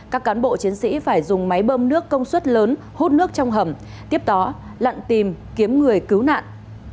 các cán bộ chiến sĩ phải dùng máy bơm nước công suất lớn hút nước trong hầm tiếp đó lặn tìm kiếm người cứu nạn